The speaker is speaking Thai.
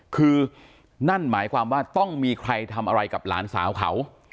คือนั่นหมายความว่าต้องมีใครทำอะไรกับหลานสาวเขา